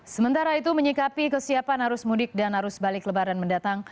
sementara itu menyikapi kesiapan arus mudik dan arus balik lebaran mendatang